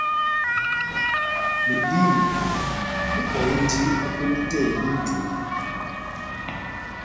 Medímo mepɔhindi o kwedi tɛh eni njololo